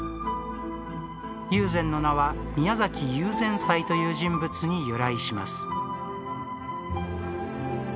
友禅の名は、宮崎友禅斎という人物に由来します。